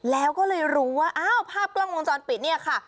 แล้วก็เลยรู้ว่าอ้าวภาพกล้องวงจรปิดเนี่ยค่ะ